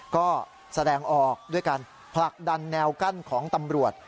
ก็แสดงออกด้วยการผลักดันแนวกั้นของตำรวจ